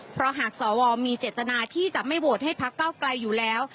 เพราะหากสวมีเจตนาที่จะไม่โหวตให้พักเก้าไกลอยู่แล้ว